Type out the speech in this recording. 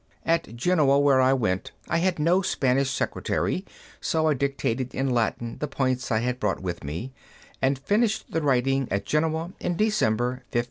At Genoa where I went I had no Spanish secretary, so I dictated in Latin the points I had brought with me, and finished the writing at Genoa in December, 1555.